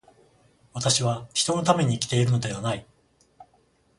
私は人のために生きているのではない。